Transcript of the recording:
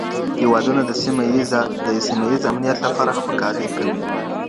هیوادونه د سیمه ییز امنیت لپاره همکاري کوي.